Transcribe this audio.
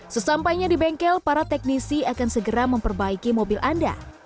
sesampainya di bengkel para teknisi akan segera memperbaiki mobil anda